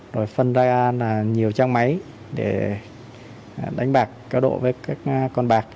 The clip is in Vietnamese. rồi phân ra là nhiều trang máy để đánh bạc cá độ với các con bạc